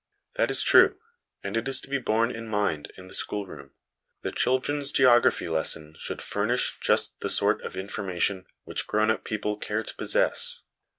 That is true, and is to be borne in mind in the schoolroom ; the child's geo graphy lesson should furnish just the sort of informa tion which grown up people care to possess.